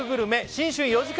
新春４時間